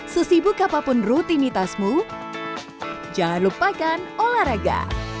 sesibuk apapun rutinitasmu jangan lupakan olahraga